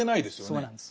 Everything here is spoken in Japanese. そうなんです。